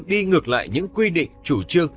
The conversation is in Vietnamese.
đi ngược lại những quy định chủ trương